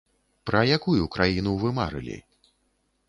Пра якую краіну вы марылі?